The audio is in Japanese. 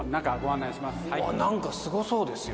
何かすごそうですよ。